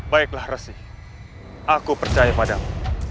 baiklah resi aku percaya padamu